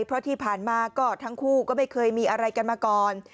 เพราะที่ผ่านมาก็ทั้งคู่ก็ไม่เคยมีอะไรกันมาก่อน